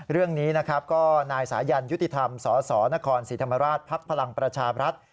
เรื่องนี้นะครับก็นายสายันยุติธรรมสสนครศรีธรรมราชภักดิ์พลังประชาบรัฐ